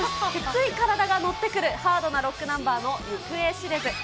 つい体がのってくるハードなロックナンバーの行方知れず。